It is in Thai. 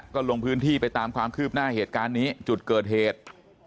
ก็ลงพื้นที่ไปตามความคืบหน้าเหตุการณ์นี้จุดเกิดเหตุ